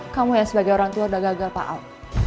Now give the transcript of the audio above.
kamu yang sebagai orang tua rada gagal pak aw